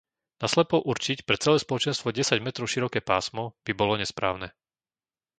Naslepo určiť pre celé Spoločenstvo desať metrov široké pásmo by bolo nesprávne.